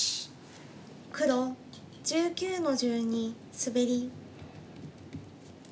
黒１９の十二スベリ。